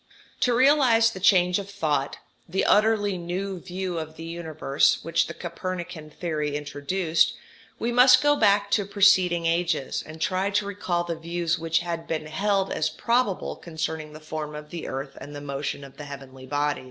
To realize the change of thought, the utterly new view of the universe, which the Copernican theory introduced, we must go back to preceding ages, and try to recall the views which had been held as probable concerning the form of the earth and the motion of the heavenly bodies.